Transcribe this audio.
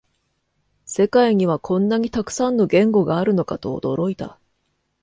世界にはこんなにたくさんの言語があるのかと驚いた